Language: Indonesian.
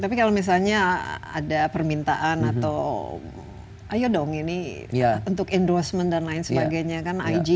tapi kalau misalnya ada permintaan atau ayo dong ini untuk endorsement dan lain sebagainya kan ig